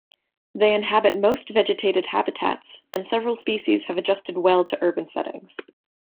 They inhabit most vegetated habitats, and several species have adjusted well to urban settings.